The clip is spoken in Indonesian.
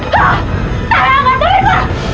saya gak terima